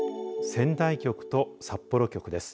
仙台局と札幌局です。